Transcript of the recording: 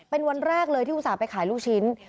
เป็นวันแรกเลยที่ผู้ตายไปขายลูกชิ้น